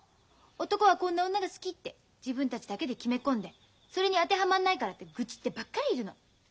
男はこんな女が好きって自分たちだけで決め込んでそれに当てはまんないからって愚痴ってばっかりいるの。